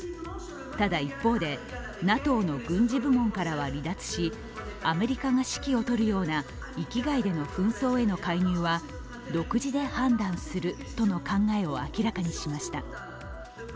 ただ、一方で、ＮＡＴＯの軍事部門からは離脱し、アメリカが指揮をとるような域外での紛争への介入は独自で判断するとの考えを明らかにしました。